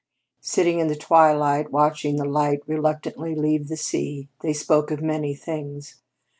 Sitting in the twilight, watching the light reluctantly leave the sea, they spoke of many things.